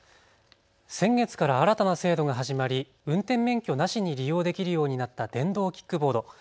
先月から新たな制度が始まり運転免許なしに利用できるようになった電動キックボード。